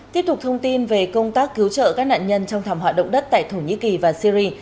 tiếp tục thông tin về công tác cứu trợ các nạn nhân trong thảm họa động đất tại thổ nhĩ kỳ và syri